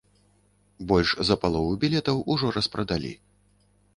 Больш за палову білетаў ужо распрадалі.